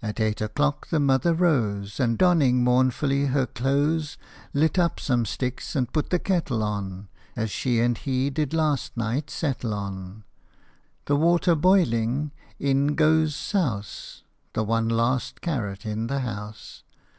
At eight o' clock the mother rose, And donning mournfully her clothes, Lit up some sticks and put the kettle on, As she and he did last night settle on : The water boiling, in goes, souse ! The one last carrot in the house.